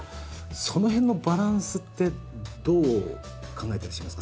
その辺のバランスってどう考えてらっしゃいますか？